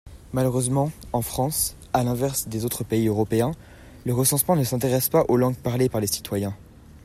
Malheureusement, en France (à l’inverse des autres pays européens), le recensement ne s’intéresse pas aux langues parlées par les citoyens.